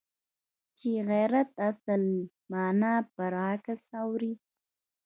چې د غیرت اصل مانا پر برعکس اوړي.